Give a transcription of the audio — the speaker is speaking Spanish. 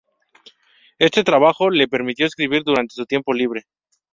Este trabajo le permitió escribir durante su tiempo libre.